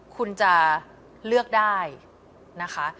คุณจะเลือกได้นะคะ